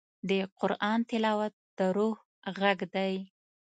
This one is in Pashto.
د قرآن تلاوت د روح غږ دی.